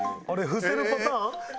伏せるパターン？